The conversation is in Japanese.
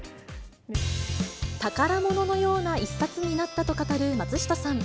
宝物のような一冊になったと語る松下さん。